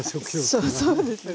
そうそうですね。